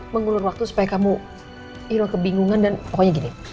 mengulur waktu supaya kamu iro kebingungan dan pokoknya gini